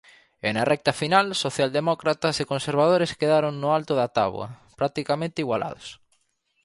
E na recta final, socialdemócratas e conservadores quedaron no alto da táboa, practicamente igualados.